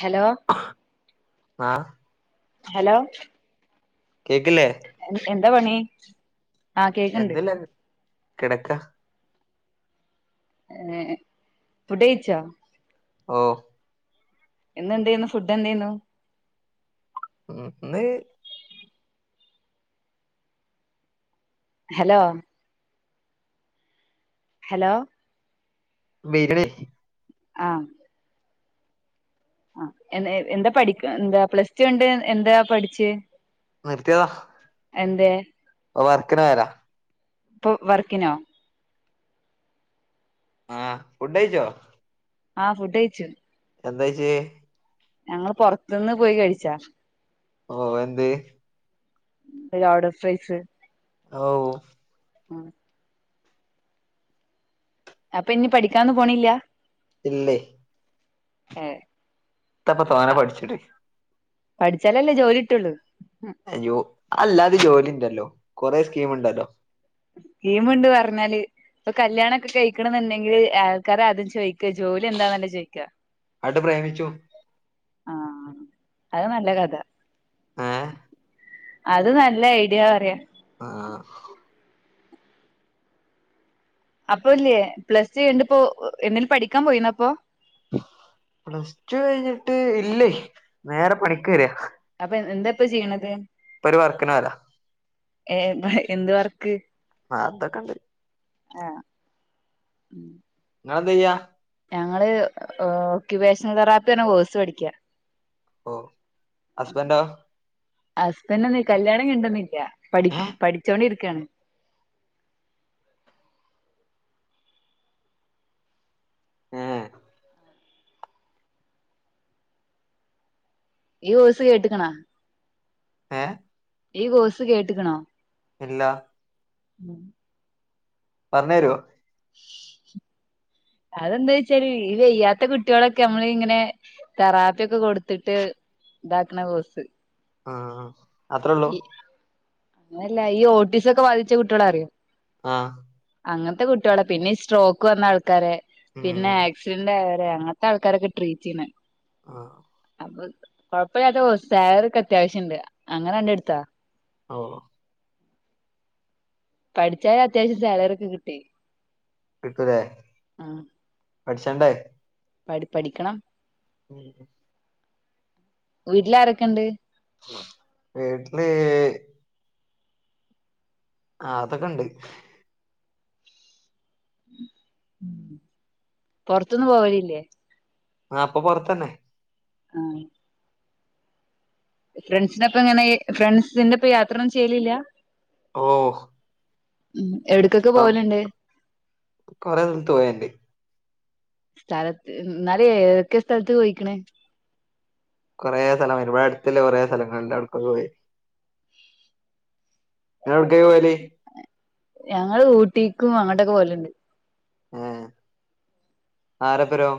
Hello ആഹ് hello കേക്കില്ലേ എന്താപണി ആഹ് കേക്കണ്ട് കിടക്കാ ഏ ഫുഡ്ഡയ്ച്ചോ ഓ എന്ത്‌ണ്ട് ഇന്ന് ഫുഡ്ഡെന്തായിന്നു ഉം ഇന്ന് ഹലോ ഹലോ മീൻകറി ആഹ് ആ എന്താ പഠിക്ക് എന്താ പ്ലസ് ടു കഴിഞ്ഞിട്ട് എന്താ പഠിച്ച് നിർത്തിയതാ, എന്തേ വർക്കിന് വരാ ഇപ്പൊ വർക്കിനോ ആഹ് ഫുഡ്ഡയിച്ചോ ആഹ് ഫുഡ്ഡ് കയിച്ചു എന്താകയിച്ചേ ഞങ്ങള് പൊറത്ത്ന്ന് പോയി കഴിച്ചാ. ഓ എന്ത്‌ ലോഡഡ് ഫ്രൈസ്. ഔ ഹ. അപ്പൊ ഇനി പഠിക്കാനൊന്ന് പോണില്ല ഇല്ലേ ഏ ഇത്തപ്പ തോനെ പഠിച്ചിട്ട് പഠിച്ചാലല്ലേ ജോലി ഇട്ടൊള്ളു അയ്യോ അല്ലാതെ ജോലി ഉണ്ടല്ലോ കൊറെ സ്കീം ഉണ്ടല്ലോ സ്കീംമ്ണ്ട് പറഞ്ഞാല് ഇപ്പൊ കല്ല്യാണംഒക്കെ കഴിക്കണം എന്നുണ്ടെങ്കില് ആൾക്കാര് ആദ്യം ചോയിക്ക ജോലി എന്താന്നല്ലെ ചോദിക്കാ അട്ട് പ്രേമിച്ചു ആഹ അത് നല്ല കഥ ഏഹ് അത് നല്ല ഐഡിയ പറയാ ആഹ അപ്പൊല്ലേ പ്ലസ്ടു കഴിഞ്ഞിട്ട് ഇപ്പോ ഏ എന്തെങ്കിലും പഠിക്കാൻ പോയിന്നപ്പൊ പ്ലസ്ടു കഴിഞ്ഞിട്ട് ഇല്ലേ നേറെ പണിക്ക് കേറിയ ഇപ്പൊ ചെയ്യണത് ഇപ്പോ ഒരു വർക്കിനേയ്ത ഏ ന്ത് എന്ത് വർക്ക് ആ അതൊക്കെണ്ട് ആഹ ഉം ഇങ്ങളെൻത്യ്യ ഞങ്ങള് ഓക്യുപേഷൻതെറാപ്പ് എന്ന കോഴ്സ് പഠിക്ക ഓ ഹസ്ബന്റോ ഹസ്ബൻഡ്ഒന്ന് കല്ല്യാണം കഴിഞ്ഞിണ്ടൊന്നില്ല പ ഏഹ് പഠിച്ചോണ്ടിരിക്ക രിക്കാണ് ഈ വോയിസ് കേട്ട്ക്ക്ണാ ഏഹ് ഈ കോഴ്സ്സ് കേട്ട്ക്ക്ണാ ഇല്ലാ ഉം പറഞ്ഞ് തരോ ശ് ശ് അതെന്താ വെച്ചാല് ഈ വെയ്യാത്ത കുട്ടികളൊക്കെ നമ്മള് ഇങ്ങനെ തെറാപ്പിയൊക്കെ കൊടുത്തിട്ട് ണ്ടാക്കാണ കോഴ്സ് ആഹ അത്രേയുള്ളൂ അങ്ങനെയല്ല ഈ ഓട്ടീസ് ഒക്കെ ബാധിച്ച കുട്ടികളെഅറിയോ ആഹ് അങ്ങനത്തെ കുട്ടികളെ പിന്നെ സ്ട്രോക്ക് വന്ന ആൾക്കാര് പിന്നെ ഉം ആക്സിഡന്റ് അയ അത് അങ്ങത്തെ ആക്കാരൊക്കെ ട്രീറ്റ് ചെയ്യ്ന്ന ആഹ കൊഴപ്പമില്ലാത്ത കോഴ്സ് സാലറി ഓക്കെ അത്യാവശ്യണ്ട് അങ്ങനെണ്ട് എടുതത്താ. ഒ പഠിച്ചാല് അത്യാവശ്യം സാലറി ഒക്കെ കിട്ടി. കിട്ടൂലേ ആ പഠിച്ചണ്ടേ പഠി പഠിക്കണം ഉം വീട്ടിൽ ആരൊക്കെയുണ്ട് വീട്ടിൽഹ് ആ അതൊക്കെ ഇണ്ട് പുറത്തൊന്നും പോവലില്ലേ ആ അപ്പൊ പുറത്തല്ലേ ആ ഫ്രണ്ട്സിനെപ്പം ഇങ്ങനെ ഫ്രണ്ട്സിന്റെപ്പം യാത്ര ഒന്നും ചെയ്ലില്ല ഓ ഉ എവിടക്കൊക്കെ ഇപ്പം പോവലുണ്ട് കൊറേ സ്ഥലത്ത് പോയണ്ട് സ്ഥലത്ത് എന്നാല് ഏതൊക്കെ സ്ഥലത്ത് പോയിക്കണ് കുറെ സ്ഥലം ഇവിടെ അടുത്ത കൊറെ സ്ഥലങ്ങളുണ്ട് അവിടുക്കൊ പോയി ഞ എവിടെയാ പോവല് ഞങ്ങള് ഊട്ടിക്കും അങ്ങട്ടൊക്കെ പോവലുണ്ട് ആ ആരപ്പരോ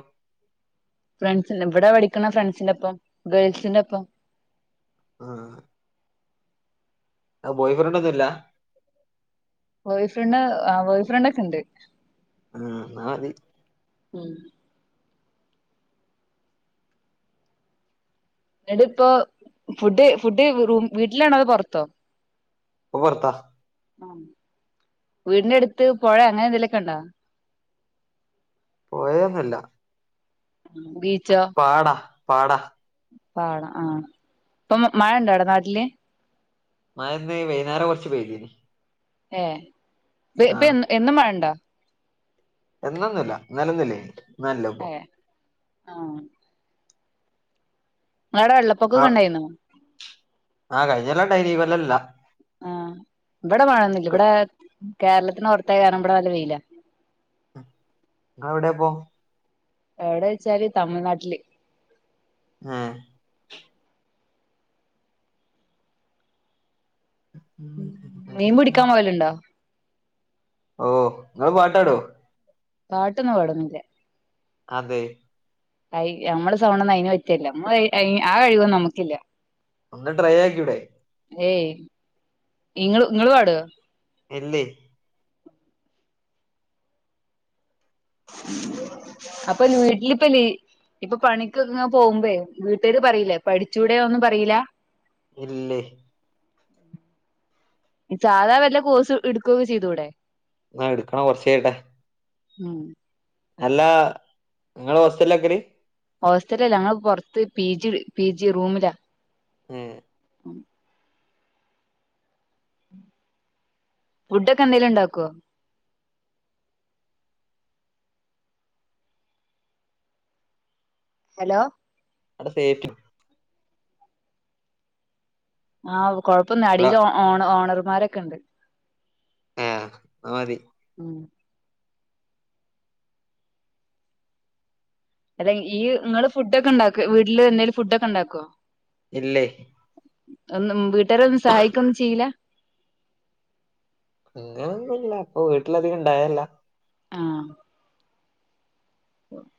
ഫ്രണ്ട്സി എവിടാ പഠിക്കണ ഫ്രണ്ട്സിന്റെപ്പം ഗേൾസിന്റെപ്പം ആ ആ ബോയ് ഫ്രണ്ട് ഒന്നുമില്ല ബോയ് ഫ്രണ്ട് ആ ബോയ് ഫ്രണ്ട് ഒക്കെ ഉണ്ട് ആ ന അതി ഉം എന്നട്ട ഇപ്പൊ ഫുഡ് ഫുഡ് റൂ വീട്ടിലാണോ അതോ പുറത്തോ ഇപ്പോ പുറത്താ വീടിന്റെ അടുത്ത് പുഴ അങ്ങനെ എന്തെലൊക്കെ ഉണ്ടോ പൊയയൊന്നുമില്ല ബീച്ചോ പാടാ പാട ആഹ ഇപ്പൊ മഴ ഉണ്ടോ അവിടെ നാട്ടില് മയ വൈകുന്നേരം കുറച്ച് ചെയ്ത് ഏ ഇ ഇപ്പൊ എ എന്നും മഴണ്ടോ എന്നന്നില്ല ഇന്നലന്നില്ല നല്ല ഇപ്പൊ ആ നിങ്ങളടെ ആ വെള്ളപ്പൊക്കൊക്ക ഉണ്ടായിരുന്നോ ആഹ് കഴിഞ്ഞകൊല്ലം ഉണ്ടായിഈ കൊല്ലം ഇല്ല ആഹ ഇവിടെ മഴന്നില്ല ഇവിടെ കേരളത്തിന് പുറത്തായ കാരണം ഇവിടെ നല്ല വെയില എവിടെയാ പോ എവിടെ വെച്ചാല് തമിഴ്നാട്ടില് ആഹ മീൻ പിടിക്കാൻ പോവലുണ്ടോ ഓ നിങ്ങള് പാട്ട് പാടോ പാട്ടൊന്നും പാടുന്നില്ല അതെ ക നമ്മുടെ സൗണ്ട് ഒന്നും അയിന് പറ്റല്ല ആ കഴിവൊന്നും നമുക്കില്ല ഒന്ന് ട്രൈ ആക്കി കൂടേ ഏയ് ഇങ്ങള് ഇങ്ങള് പാടുമോ ഇല്ല അപ്പൊ ന ഇഡലിപ്പനി [unintelligible] ഇപ്പൊ പണിക്കക്ക പോകുമ്പേ വീട്ടുകാര് പറയില്ലേ പഠിച്ചുടെയാ ഒന്നും പറയൂലാ ഇല്ലേ സാധാ വല്ല കോഴ്സ് എടുക്കുകയൊക്കെ ചെയ്തുടെ എന്നാ എടുക്കണ കൊറച്ചായിട്ടെ ഉം നല്ല നിങ്ങള് ഹോസ്റ്റല ഒക്കറി [unintelligible] ഹോസ്റ്റലിലല്ല ഞങ്ങള് പുറത്ത് പി ജി പി ജി റൂമിലാ ങേ. ഫുഡൊക്കെ എന്തെങ്കിലും ഉണ്ടാക്കുവോ? ഹലോ അവുടെ സേഫ്റ്റി ആഹ്, കൊഴപ്പന്നുല്ല അല്ല അടിൽ ഓണ ഓണർമാരൊക്കെ ഉണ്ട്. ആഹ് അത് മതി. ഉം. അല്ലെ, ഈ നിങ്ങള് ഫുഡ് ഒക്കെ ഉണ്ടാക്കൊ വീട്ടില് എന്തെലും ഫുഡ് ഒക്കെ ഉണ്ടാക്കുവോ? ഇല്ല. ഒന്നും വീട്ടുകാരെ ഒന്നും സഹായിക്കൊന്നും ചെയ്യില്ല. അങ്ങനൊന്നുമല്ല, ഇപ്പൊ വീട്ടിലധികം ഇണ്ടാവേല്ല. ആഹ്. ' [inaudible]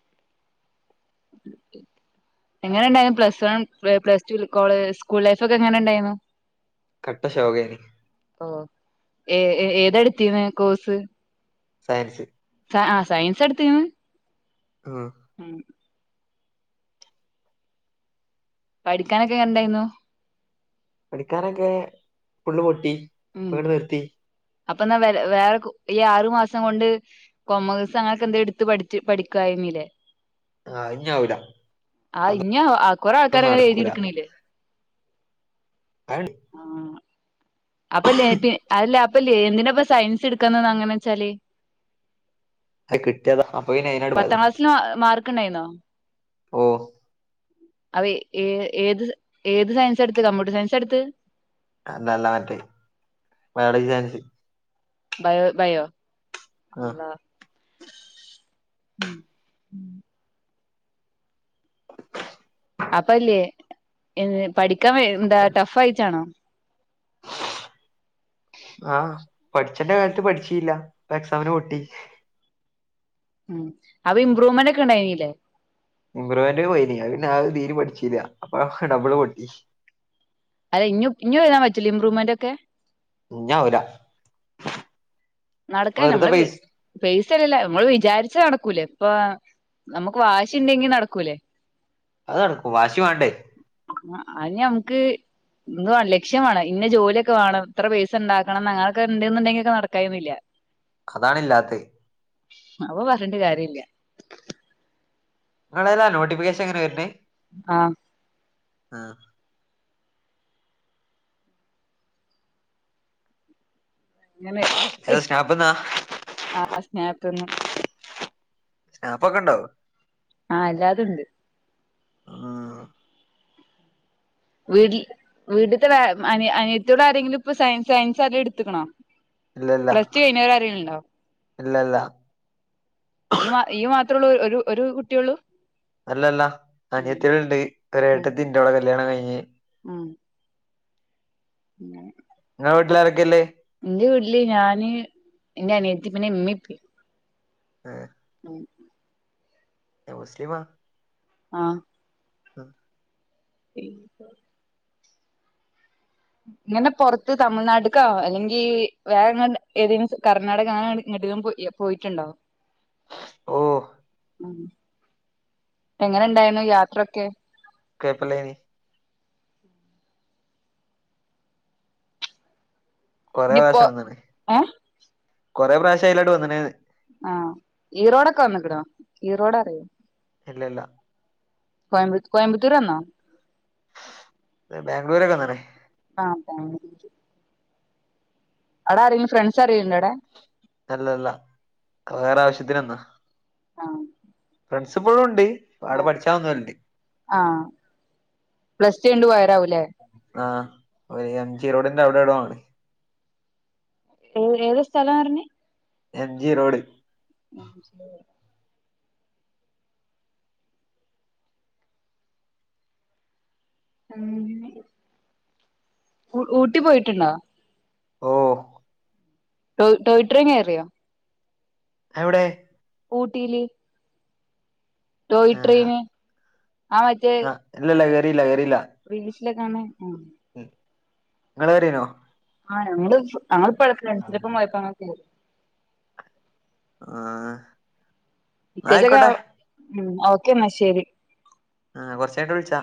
' [inaudible] എങ്ങനെ ഇണ്ടായിരുന്നു plus one plus two school life ഒക്കെ എങ്ങനെ ഇണ്ടായിരുന്നു? കട്ട ശോകേനി. ഓ, ഏ- ഏതടുത്തീരുന്നത് കോഴ്സ്. സയൻസ്. ആഹ് ആഹ് സയൻസ് എടുത്ത്ണത്. ഉം. പഠിക്കാനൊക്കെ എങ്ങനെയുണ്ടായിരുന്നു. പഠിക്കാനൊക്കെ ഫുള്ള് പൊട്ടി, അപ്പോ ഉം അങ്ങട് നിർത്തി. അപ്പൊ എന്നാ വേറെ വേറെ ഈ ആറു മാസം കൊണ്ട് കൊമേഴ്സ് അങ്ങനൊക്കെ എന്തേ എടുത്ത് പഠിച്ച് പഠിക്കുവായി ന്നിലേ. ആഹ്, ഇഞ്ഞാവൂല. ആ, ഇഞ്ഞ് ആ കുറെ അതൊന്നും ആൾക്കാരങ്ങനെ നടക്കൂല എഴുതിയെടുക്കണ്ല്ലേ. അത് ആഹ്. അപ്പല്ലേ അതല്ലേ അപ്പല്ലേ എന്തിനാപ്പോ സയൻസ് എടുക്കുന്ന അങ്ങനെ വെച്ചാല്. അത് കിട്ടിയതാ അപ്പൊ പിന്നെ അയിനാട് പോയതാ പത്താം ക്ലാസില് മാർക്ക് ഉണ്ടായിരുന്നോ? ഓ. അവ ഏ ഏത് ഏത് സയൻസാ എടുത്തേ കമ്പ്യൂട്ടർ സയൻസാ എടുത്തേ. അതല്ല, മറ്റേത് ബയോളജി സയൻസ്. ബയോ ബയോ ആ അല്ലാഹ്! ഉം. അപ്പല്ല്യ, പഠിക്കാൻ എന്താ പ- ടഫ് ആയിട്ടാണോ? ആഹ്, പഠിച്ചണ്ടക്കാലത്ത് പഠിച്ചീല്യ, ഇപ്പോ എക്സാമിന് പൊട്ടി. ഉം, അപ്പോ ഇമ്പ്രൂവ്മെന്റ് ഒക്കെ ഉണ്ടായിനില്ലേ. ഇംമ്പ്രൂവ്മെന്റിന് പോയിനി, അത് തീരെയും പഠിച്ചില്ല, അപ്പൊ ഡബിള് പൊട്ടി. അതെ, ഇഞ്ഞും ഇഞ്ഞും എഴുതാൻ പറ്റില്ലേ ഇമ്പ്രൂവ്മെന്റ് ഒക്കെ. ഇഞ്ഞാവൂല. നടക്കാൻ വെറുതെ നമ്മള് പൈസ പൈസല്ലില്ല, നമ്മള് വിചാരിച്ച് നട നടക്കൂലേ, ഇപ്പ നമുക്ക് വാശിണ്ടെങ്കിൽ നടക്കൂലേ. അത് നടക്കും, വാശി വേണ്ടേ. ' [unintelligible] ലക്ഷ്യം വേണം, ഇന്ന ജോലി ഒക്കെ വേണം, എത്ര പൈസ ഉണ്ടാക്കണം, അങ്ങനെയൊക്കെ ഉണ്ട് എന്നുണ്ടെങ്കിൽ നടക്കായി ഇല്ല. അതാണില്ലാത്തത്. അപ്പൊ പറഞ്ഞിട്ട് കാര്യം ഇല്ല. നിങ്ങളെലാ നോട്ടിഫിക്കേഷൻ എങ്ങനെ വരുന്നേ? ആഹ്. ആഹ് അങ്ങനെ ഇ ഏത് സ്നാപ്പ്ന്നാ ആ സ്നേഹത്തിന്ന്. സ്നാപ്പൊക്കെ ണ്ടോ? ആഹ് എല്ലാതും ഉണ്ട്. ആഹ് വീട് വീട്ടത്തെ അനി അനിയത്തോട് ആരെങ്കിലും ഇപ്പ സയൻ സയൻസ് ആരേലും ഇടതുക്കുണോ? ഇല്ലല്ല പ്ലസ് ടു കൈുന്നേര ആരെലുണ്ടോ? ഇല്ലല്ല ഈ മാ ഇയ്യ് മാത്ര ഉള്ളൂ ഒരു ഒരു കുട്ടിയള്ളൂ. അല്ലല്ല അനിയത്തിയാല്ണ്ട് ഒര് ഉം ഏട്ടത്തി ഉണ്ട് ഓളെ കല്യാണം കഴിഞ്ഞ്. ഉം പിന്നെ നിങ്ങളെ വീട്ടിലാരൊക്കെല്ലേ? എന്റെ വീട്ടില് ഞാന് ഇന്റെ അനിയത്തി പിന്നെ ഇമ്മിപ്പ. ആ ഉം [unintelligible] മുസ്ലിമാ? ആഹ് ആഹ് [unintelligible] ഇങ്ങനെ പുറത്ത് തമിഴ്നാടുക്കാ അല്ലെങ്കി വേറെങ്ങ ഏതേലും കർണ്ണാടക അങ്ങനെ ഇ പോയിട്ടുണ്ടോ? ഓ എങ്ങനെ ഇണ്ടായിരുന്നു യാത്രൊക്കെ? കുഴപ്പല്ലേനി. കൊറെ ഇനിയിപ്പോ പ്രാവശ്യം വന്നണ് ഏഹ് കൊറെേ പ്രാവശ്യംലാട്ട് വന്ന്ണ് ആഹ് ഈറോടൊക്കെ വന്നക്കണോ ഈറോട അറിയോ? ഇല്ലല്ല കോയ കോയമ്പത്തൂര് വന്നോ? ബാംഗ്ലൂരൊക്കെ വന്നുണ് [unintelligible] അവിടാ അറിയ ഫ്രണ്ട്സ് അരേലും ഉണ്ട് അടെ അല്ലല്ല വേറെ ആവശ്യത്തിന് വന്നതാ ആഹ് പ്രിൻസിപ്പളും ഉണ്ട് അവിടെ ആഹ് പഠിച്ചാ വന്നോലുണ്ട്. ആഹ് പ്ലസ് ടു കഴിഞ്ഞിട്ട് പോയതാവും ലേ? ആ ഒരു എം ജിറോഡന്റെ അവിടെ എവിടെയോ ഉണ്ട്. ഏ ഏത് സ്ഥലം പറഞ്ഞ്? എം ജിറോട്. [unintelligible] ഉ ഊട്ടി പോയിട്ടുണ്ടോ? ഓ ടോയ് ടോയ് ട്രെയിൻ കയറിയോ? എവിടെ? ഊട്ടിയില് ടോയ്ട്രയിന് ആഹ് എല്ലല്ല കയറില്ല കയറി പ്രിയഷിലൊ കാണണ് നിങ്ങള് കയറിനോ? ആ ഞങ്ങള് ഇപ്പോഴ ഫ്രണ്ട്സിലപ്പം ആഹ് പോയപ്പങ്ങനേ കേറി ആ ഇിക്കേത്തൊക്കെ ഉ ഓക്കേ എന്നാ ശരി. ആഹ കൊറച്ചയിഞ്ഞിട്ട് വിളിച്ചാ.